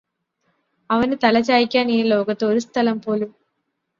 അവന് തല ചായ്ക്കാൻ ഇനി ലോകത്ത് ഒരു സ്ഥലം പോലും